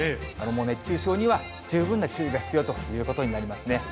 もう熱中症には十分な注意が必要ということになりますね。